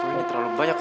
erne maksudnya itu